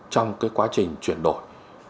trong quá trình chuyển đổi